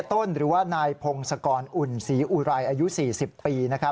ต้นหรือว่านายพงศกรอุ่นศรีอุไรอายุ๔๐ปี